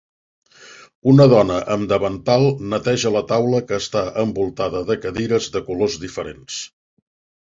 Una dona amb davantal neteja la taula que està envoltada de cadires de colors diferents.